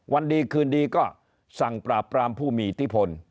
วันดีคืนดีก็สั่งปราบปรามผู้มีอิทธิพล